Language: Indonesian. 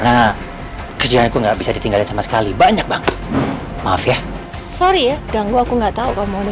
saya masih bisa ngurus keluarga saya dengan baik tante